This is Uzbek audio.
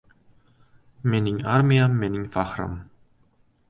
Mening armiyam – mening faxrim